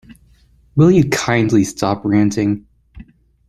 Will you kindly stop ranting?